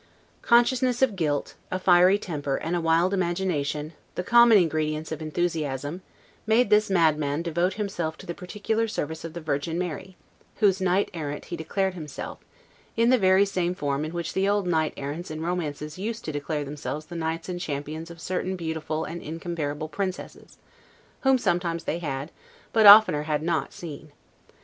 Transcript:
Consciousness of guilt, a fiery temper, and a wild imagination, the common ingredients of enthusiasm, made this madman devote himself to the particular service of the Virgin Mary; whose knight errant he declared himself, in the very same form in which the old knight errants in romances used to declare themselves the knights and champions of certain beautiful and incomparable princesses, whom sometimes they had, but oftener had not, seen.